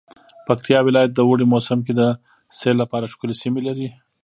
پکتيا ولايت د اوړی موسم کی د سیل لپاره ښکلی سیمې لری